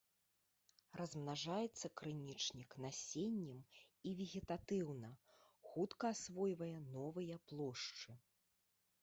Размнажаецца крынічнік насеннем і вегетатыўна, хутка асвойвае новыя плошчы.